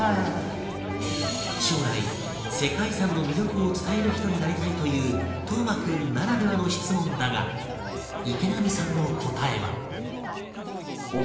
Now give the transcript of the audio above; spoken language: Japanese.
将来世界遺産の魅力を伝える人になりたいという登眞君ならではの質問だが池上さんの答えは